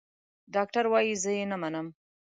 ډاکټر وايي چې زه يې نه منم.